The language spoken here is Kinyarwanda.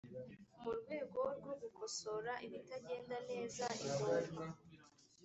mu rwego rwo gukosora ibitagenda neza igomba